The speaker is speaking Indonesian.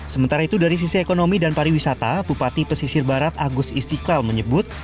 sementara itu dari sisi ekonomi dan pariwisata bupati pesisir barat agus istiqlal menyebut